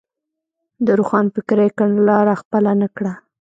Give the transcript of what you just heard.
د روښانفکرۍ کڼلاره خپله نه کړه.